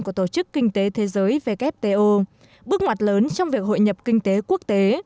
của tổ chức kinh tế thế giới wto bước ngoặt lớn trong việc hội nhập kinh tế quốc tế